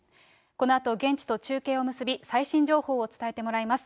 このあと現地と中継を結び、最新情報を伝えてもらいます。